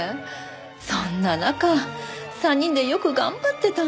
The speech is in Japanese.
そんな中３人でよく頑張ってたんですよ。